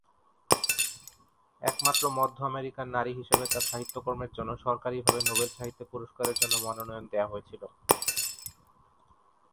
একমাত্র মধ্য আমেরিকান নারী হিসেবে তার সাহিত্যকর্মের জন্য সরকারীভাবে নোবেল সাহিত্য পুরস্কারের জন্য মনোনয়ন দেয়া হয়েছিল।